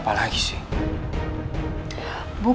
bagaimana kamu akan menjawab itu